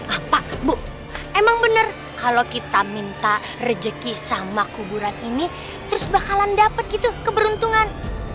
eh pak bu emang bener kalau kita minta rezeki sama kuburan ini terus bakalan dapet gitu keberuntungan